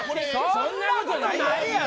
そんなことないやろ！